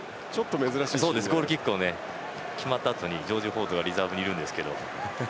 ゴールキックが決まったあとにジョージ・フォードがリザーブにいるんですが。